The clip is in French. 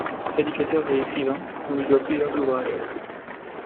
Prédicateur et écrivain, on lui doit plusieurs ouvrages.